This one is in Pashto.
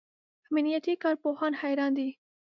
امنیتي کارپوهان حیران دي.